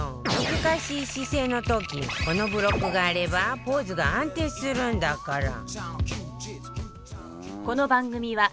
難しい姿勢の時このブロックがあればポーズが安定するんだから